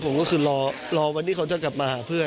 ผมก็คือรอวันที่เขาจะกลับมาหาเพื่อน